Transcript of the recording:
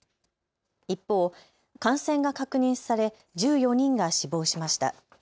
一方、感染が確認され１４人が死亡しました。